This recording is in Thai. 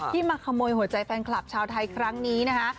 มาขโมยหัวใจแฟนคลับชาวไทยครั้งนี้นะคะ